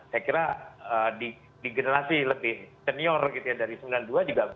saya kira di generasi lebih senior gitu ya dari sembilan puluh dua juga saya kira bisa dilihat ya